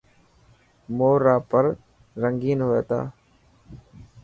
مور را پر رنگين هئي تا.